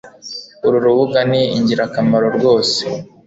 Uru rubuga ni ingirakamaro rwose